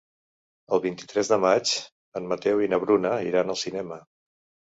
El vint-i-tres de maig en Mateu i na Bruna iran al cinema.